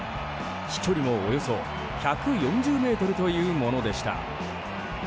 飛距離もおよそ１４０ｍというものでした。